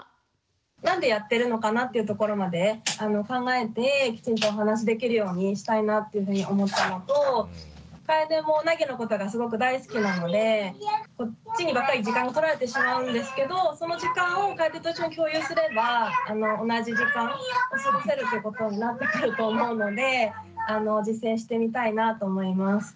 なんでやってるのかなっていうところまで考えてきちんとお話しできるようにしたいなっていうふうに思ったのとかえでもなぎのことがすごく大好きなのでこっちにばっかり時間が取られてしまうんですけどその時間をかえでと一緒に共有すれば同じ時間過ごせるということになってくると思うので実践してみたいなと思います。